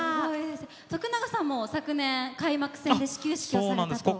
徳永さんも昨年、開幕戦で始球式されたんですよね。